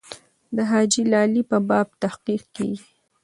د حاجي لالي په باب تحقیق کېږي.